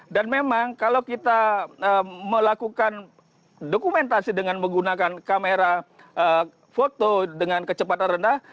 dan memang kalau kita melakukan dokumentasi dengan menggunakan kamera foto dengan kecepatan rendah